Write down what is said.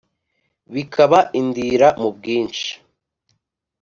bikaba indira mu bwinshi